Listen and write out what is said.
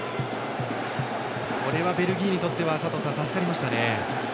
これはベルギーにとっては助かりましたね。